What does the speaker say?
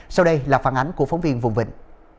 sau đây là phản ánh của phóng viên vùng vịnh